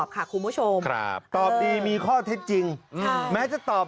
ห้ามดูเยอะค่ะเดี๋ยวตาบอด